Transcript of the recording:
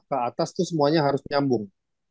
ke atas tuh semuanya harus menyambung